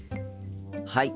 はい。